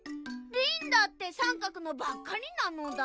リンだってさんかくのばっかりなのだ。